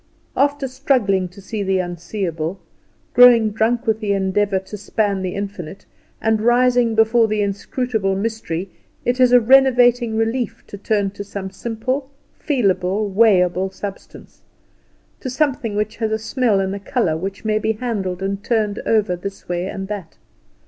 After struggling to see the unseeable, growing drunk with the endeavour to span the infinite, and writhing before the inscrutable mystery, it is a renovating relief to turn to some simple, feelable, weighable substance; to something which has a smell and a colour, which may be handled and turned over this way and that.